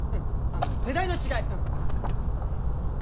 あの世代の違いうん。